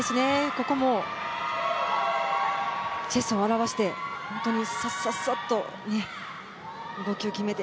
ここもチェスを表して本当にさっさっと動きを決めて。